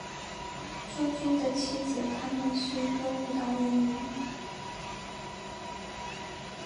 朱军的妻子谭梅是一个舞蹈演员。